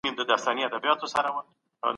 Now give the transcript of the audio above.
موږ باید د خپل دین دپاره هر ډول قرباني ورکړو.